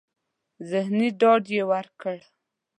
ذهني ډاډ يې ورکړ.